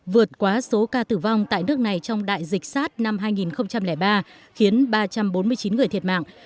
vượt quá số ca tử vong tại nước này trong đại dịch sars năm hai nghìn ba khiến ba trăm bốn mươi chín người thiệt mạng